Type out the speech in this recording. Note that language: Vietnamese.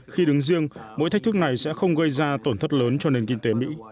khi đứng riêng mỗi thách thức này sẽ không gây ra tổn thất lớn cho nền kinh tế mỹ